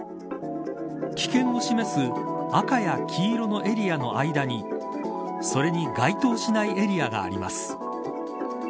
危険を示す赤や黄色のエリアの間にそれに該当しないエリアがあります。